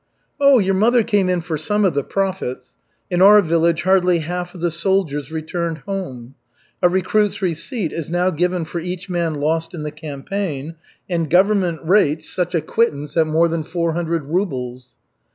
"Oh, your mother came in for some of the profits. In our village hardly half of the soldiers returned home. A recruit's receipt is now given for each man lost in the campaign, and the government rates such a quittance at more than four hundred rubles."